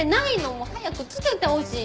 もう早く付けてほしい。